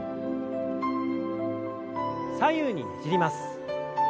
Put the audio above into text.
左右にねじります。